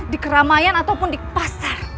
di keramaian ataupun di pasar